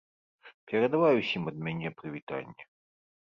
Перадавай усім ад мяне прывітанне.